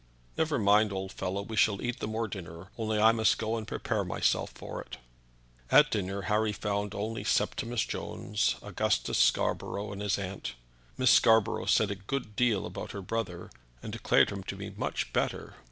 Never mind, old fellow, we shall eat the more dinner, only I must go and prepare myself for it." At dinner Harry found only Septimus Jones, Augustus Scarborough, and his aunt. Miss Scarborough said a good deal about her brother, and declared him to be much better.